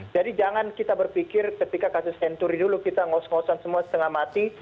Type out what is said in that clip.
jangan kita berpikir ketika kasus senturi dulu kita ngos ngosan semua setengah mati